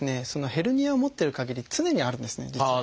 ヘルニアを持ってるかぎり常にあるんですね実は。